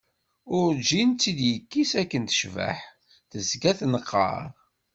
Urǧin tt-id-yekkis akken tecbaḥ, tezga tenqer.